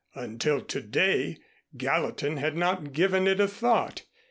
Until to day Gallatin had not given it a thought.